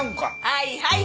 はいはい。